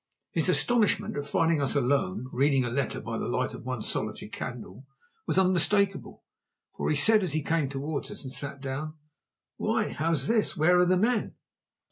His astonishment at finding us alone, reading a letter by the light of one solitary candle, was unmistakable, for he said, as he came towards us and sat down, "Why, how's this? Where are the men?"